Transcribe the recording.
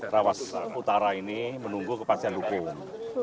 rawas utara ini menunggu kepastian hukum